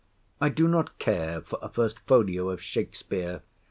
I do not care for a First Folio of Shakspeare.